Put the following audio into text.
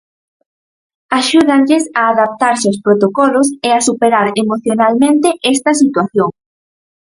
Axúdanlles á adaptarse aos protocolos e a superar emocionalmente esta situación.